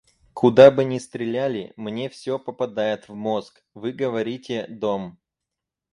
Куда бы ни стреляли, мне все попадает в мозг, — вы говорите — дом.